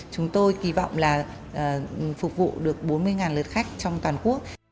chúng tôi kỳ vọng là phục vụ được bốn mươi lượt khách trong toàn quốc